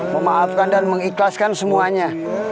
memaafkan dan mengikhlaskan semuanya